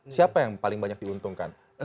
siapa yang paling banyak diuntungkan